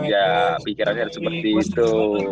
ya pikirannya harus seperti itu